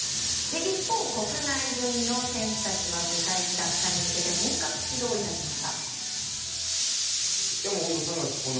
一方、国内組の選手たちは世界一奪還に向けて本格始動いたしました。